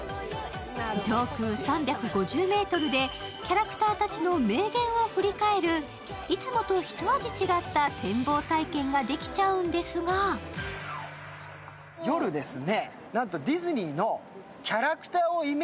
上空３５０ｍでキャラクターたちの名言を振り返るいつもと一味違った展望体験ができちゃうんですがすごいよ、これ。